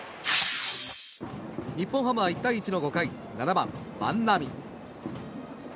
日本ハムは１対１の５回７番、万波。